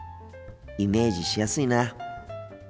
イメージしやすいな。